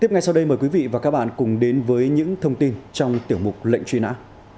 tiếp ngay sau đây mời quý vị và các bạn cùng đến với những thông tin trong tiểu mục lệnh truy nã